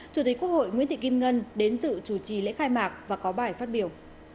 chủ tịch quốc hội nguyễn thị kim ngân đến sự chủ trì lễ khai mạc và có bài phát biểu